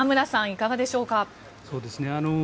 いかがでしょうか。